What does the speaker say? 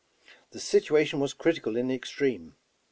The situation was critical in the extreme.